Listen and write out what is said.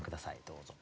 どうぞ。